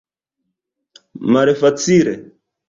malfacile